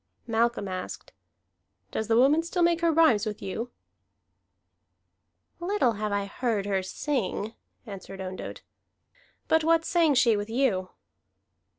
Malcolm asked: "Does the woman still make her rhymes with you?" "Little have I heard her sing," answered Ondott. "But what sang she with you?"